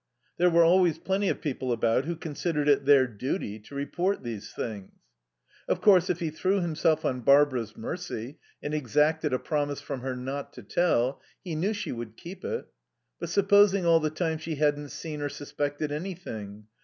There were always plenty of people about who considered it their duty to report these things. Of course, if he threw himself on Barbara's mercy, and exacted a promise from her not to tell, he knew she would keep it. But supposing all the time she hadn't seen or suspected anything?